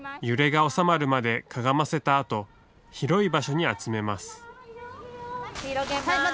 揺れが収まるまでかがませた広げます。